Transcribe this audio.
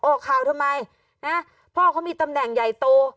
ออกข่าวทำไมนะพ่อเขามีตำแหน่งใหญ่โต